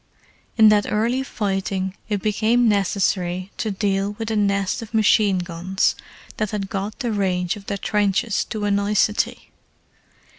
In that early fighting it became necessary to deal with a nest of machine guns that had got the range of their trenches to a nicety.